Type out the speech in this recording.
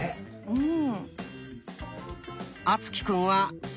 うん。